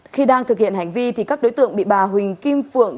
khi đang thực hiện hành vi thì các đối tượng bị bà huỳnh kim phượng